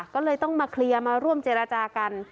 ก็เลยต้องมาเคลียร์มาร่วมเจรจากัน